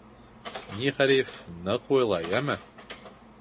— Ни, Ғариф, ныҡ уйла, йәме!